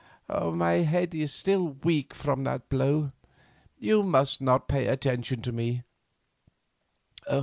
My head is still weak from that blow—you must pay no attention to me.